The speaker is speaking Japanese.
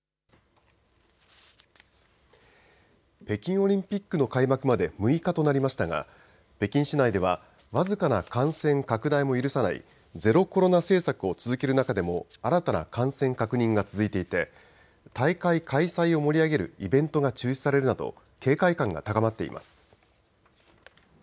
北京オリンピックの開幕まで６日となりましたが北京市内では僅かな感染拡大も許さないゼロコロナ政策を続ける中でも新たな感染確認が続いていて大会開催を盛り上げるイベントが中止されるなど警戒感が高まっています。